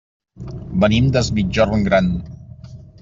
Venim des Migjorn Gran.